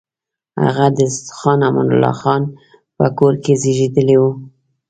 هغه د خان امان الله خان په کور کې زېږېدلی وو.